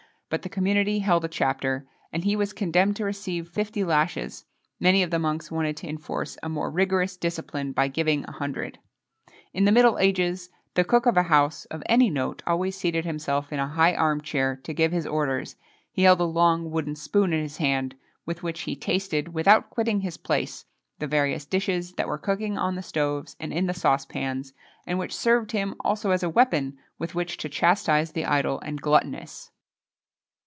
But the community held a chapter, and he was condemned to receive fifty lashes; many of the monks wanted to enforce a more rigorous discipline by giving a hundred.[XXII 37] In the middle ages, the cook of a house of any note always seated himself in a high arm chair to give his orders; he held a long wooden spoon in his hand, with which he tasted, without quitting his place, the various dishes that were cooking on the stoves and in the saucepans, and which served him also as a weapon with which to chastise the idle and gluttonous.